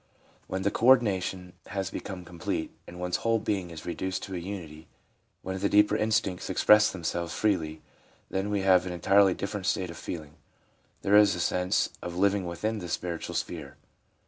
When the co ordination has become com plete, and one's whole being is reduced to a unity, when the deeper instincts express themselves freely, then we have an entirely different state of feeling ; there is a sense of living within the spiritual sphere.